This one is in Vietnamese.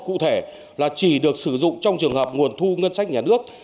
cụ thể là chỉ được sử dụng trong trường hợp nguồn thu ngân sách nhà nước